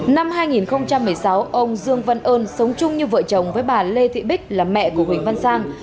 năm hai nghìn một mươi sáu ông dương văn ơn sống chung như vợ chồng với bà lê thị bích là mẹ của huỳnh văn sang